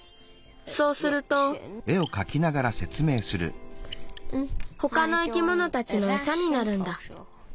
そうするとほかの生き物たちのエサになるんだ。